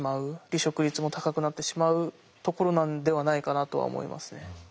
離職率も高くなってしまうところなんではないかなとは思いますね。